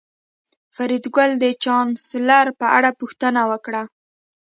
فریدګل د چانسلر په اړه پوښتنه وکړه